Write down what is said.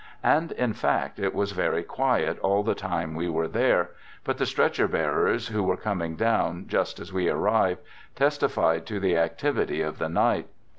And, in fact, it was very quiet all the time we were there, but the stretcher bearers who were coming down, just as we arrived, testified to Digitized by 36 " THE GOOD SOLDIER " f the activity of the night.